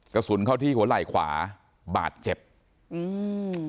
กระสุนเข้าที่หัวไหล่ขวาบาดเจ็บอืม